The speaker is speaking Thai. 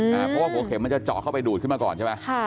เพราะว่าหัวเข็มมันจะเจาะเข้าไปดูดขึ้นมาก่อนใช่ไหม